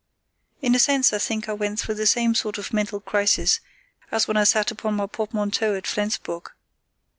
In a sense I think I went through the same sort of mental crisis as when I sat upon my portmanteau at Flensburg.